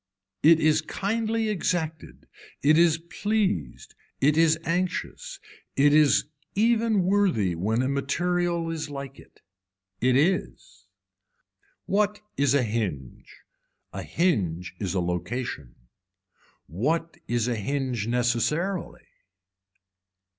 It is kindly exacted, it is pleased, it is anxious, it is even worthy when a material is like it. It is. What is a hinge. A hinge is a location. What is a hinge necessarily.